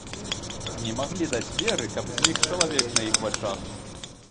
Не маглі даць веры, каб знік чалавек на іх вачах.